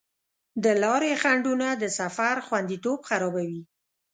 د لارې خنډونه د سفر خوندیتوب خرابوي.